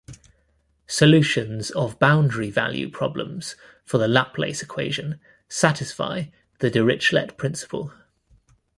Solutions of boundary value problems for the Laplace equation satisfy the Dirichlet principle.